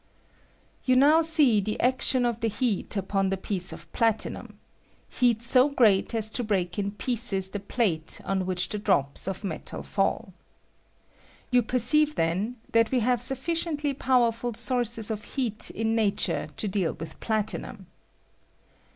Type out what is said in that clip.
' You now see the action of the heat upcm the i piece of platinum — heat so great as to break in pieces the plate on which the drops of metal fall You perceive, then, that we have suffi VOLTAIC FUSION OF PLATINUM. 199 ciently powerfal soarces of lieat in nature to deal with platinuni.